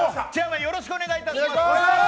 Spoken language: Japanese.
よろしくお願いします。